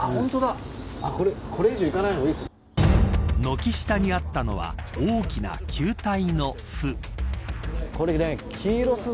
軒下にあったのは大きな球体の巣。